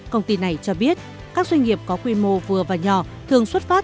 công ty này cho biết các doanh nghiệp có quy mô vừa và nhỏ thường xuất phát